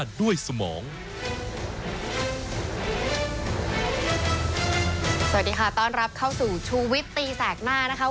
สวัสดีค่ะต้อนรับเข้าสู่ชูวิตตีแสกหน้านะคะ